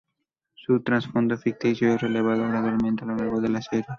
Su trasfondo ficticio es revelado gradualmente a lo largo de la serie.